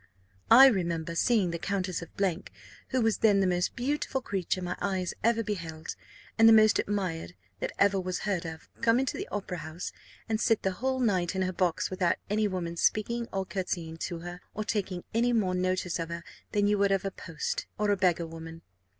I remember seeing the Countess of , who was then the most beautiful creature my eyes ever beheld, and the most admired that ever was heard of, come into the Opera house, and sit the whole night in her box without any woman's speaking or courtesying to her, or taking any more notice of her than you would of a post, or a beggar woman.